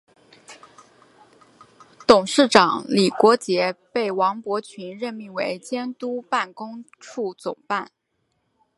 董事长李国杰被王伯群任命为监督办公处总办。